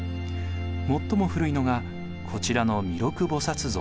最も古いのがこちらの弥勒菩薩像。